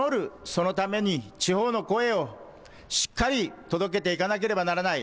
そのために地方の声をしっかり届けていかなければならない。